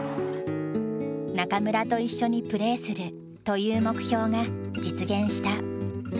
「中村と一緒にプレーする」という目標が実現した。